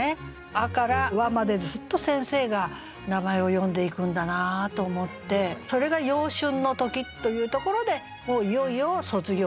「あ」から「わ」までずっと先生が名前を呼んでいくんだなと思ってそれが「陽春の時」というところでもういよいよ卒業式。